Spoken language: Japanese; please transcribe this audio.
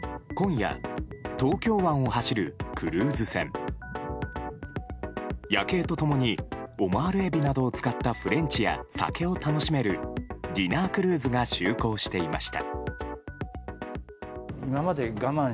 夜景と共にオマールエビなどを使ったフレンチや酒を楽しめるディナークルーズが就航していました。